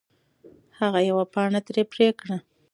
هغه یوه پاڼه ترې پرې کړه.